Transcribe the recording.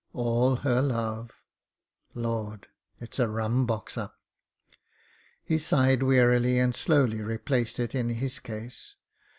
All her love. Lord ! it's a rum box up." He sighed wearily and slowly replaced it in his case.